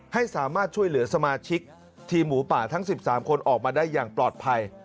ให้สามารถช่วยเหลือสมาชิกทีมหมูป่าทั้ง๑๓คนออกมาได้อย่างปลอดภัย